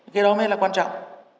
cái đó mới là quan trọng